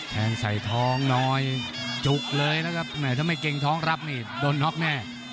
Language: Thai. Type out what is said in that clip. แทงใส่ท้องน้อยจุกเลยนะครับแหมถ้าไม่เกรงท้องรับนี่โดนน็อกแน่